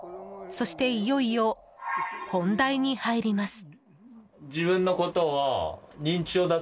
そして、いよいよ本題に入ります。